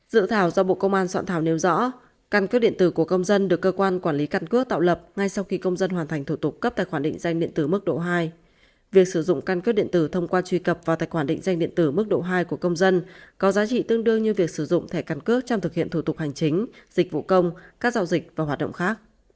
dự thảo do bộ công an soạn thảo nêu rõ căn cước điện tử của công dân được cơ quan quản lý căn cước tạo lập ngay sau khi công dân hoàn thành thủ tục cấp tài khoản định danh điện tử mức độ hai việc sử dụng căn cước điện tử thông qua truy cập vào tài khoản định danh điện tử mức độ hai của công dân có giá trị tương đương như việc sử dụng thẻ căn cước trong thực hiện thủ tục hành chính dịch vụ công các giao dịch và hoạt động khác